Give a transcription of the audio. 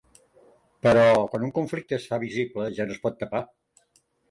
Però quan un conflicte es fa visible ja no es pot tapar.